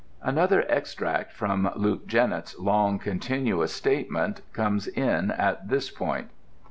Another extract from Luke Jennett's long continuous statement comes in at this point.